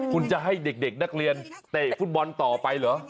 คุณจะให้เด็กนักเรียนเตะฟุตบอลต่อไปเหรอ